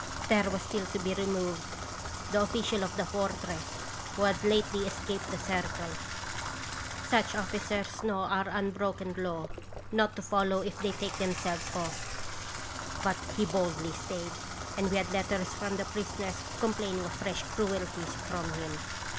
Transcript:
" There was still to be ' removed ' the official of the Fortress, who had lately escaped the Circle. Such officers know our unbroken law, not to follow if they take themselves off; but he boldly stayed, and we had letters from the prisoners complaining of fresh cruelties from him.